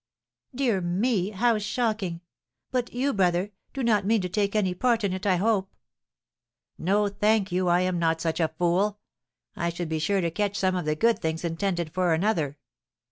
"Dear me, how shocking! But you, brother, do not mean to take any part in it, I hope?" "No, thank you, I am not such a fool; I should be sure to catch some of the good things intended for another.